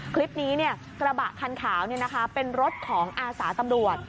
คลิปนี้กระบะคันขาวเป็นรถของอาสาตำรวจ